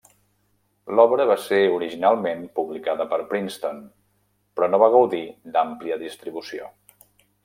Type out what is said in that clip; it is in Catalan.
L'obra va ser originalment publicada per Princeton, però no va gaudir d'àmplia distribució.